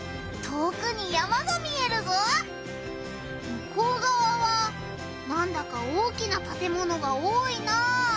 むこうがわはなんだか大きなたてものが多いな。